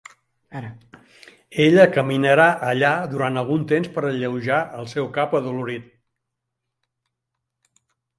Ella caminarà allà durant algun temps per alleujar el seu cap adolorit.